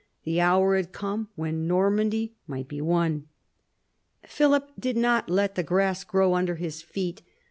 The hour had come when Nor mandy might be won. Philip did not let the grass grow under his feet.